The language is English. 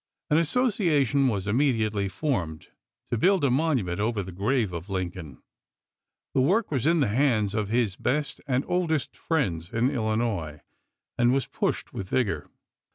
An association was immediately formed to build a monument over the grave of Lincoln. The work was in the hands of his best and oldest friends in Illinois, and was pushed with vigor.